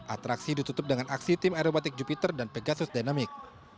atraksi ditutup dengan aksi time aerobatik jupiter dan pegasus dynamic